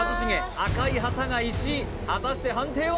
赤い旗が石井果たして判定は？